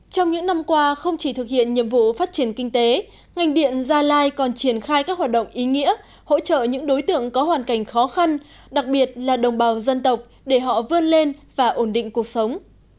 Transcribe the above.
trong những năm qua không chỉ thực hiện nhiệm vụ phát triển kinh tế ngành điện gia lai còn triển khai các hoạt động ý nghĩa hỗ trợ những đối tượng có hoàn cảnh khó khăn đặc biệt là đồng bào dân tộc để họ vươn lên và ổn định cuộc sống